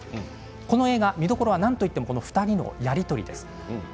この映画、見どころはなんといっても２人のやり取りです。